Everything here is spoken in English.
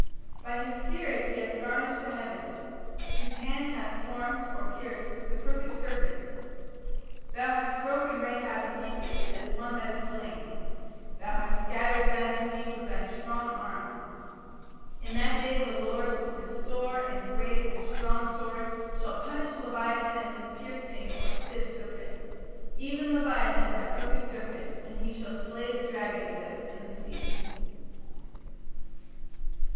By his spirit he hath garnished the heavens: his hand hath formed (or pierced) the crooked serpent"; "Thou hast broken Rahab in pieces as one that is slain: thou hast scattered thine enemies with thy strong arm"; "In that day the Lord with his sore and great and strong sword shall punish leviathan the piercing (or stiff) serpent, even leviathan that crooked serpent; and he shall slay the dragon that is in the sea".